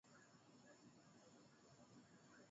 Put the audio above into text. Takribani watu themanini na saba wameuawa na mamia kujeruhiwa